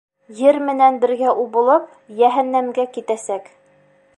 Ер менән бергә убылып, йәһәннәмгә китәсәк.